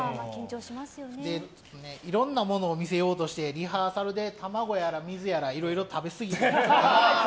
いろいろなものを見せようとしてリハーサルで卵やら水やらいろいろ食べすぎて。